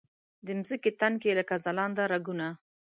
د مځکې تن کې لکه ځلنده رګونه